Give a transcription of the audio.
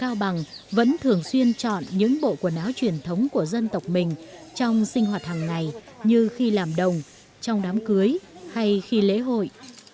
bà con người nùng ở cao bằng vẫn thường xuyên chọn những bộ quần áo truyền thống của dân tộc mình trong sinh hoạt hàng ngày như khi làm đồng trong đám cưới hay khi lễ hội